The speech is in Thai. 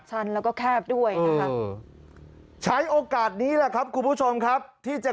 ชั้นแล้วก็แคบด้วยนะคะใช้โอกาสนี้แหละครับคุณผู้ชมครับที่จะ